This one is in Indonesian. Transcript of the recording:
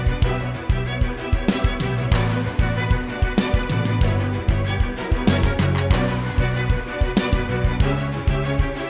gak apa apa putir